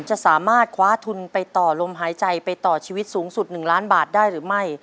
จะสามารถคว้าทุนไปต่อลมหายใจไปต่อชีวิตสูงสุด๑ล้านบาทได้หรือไม่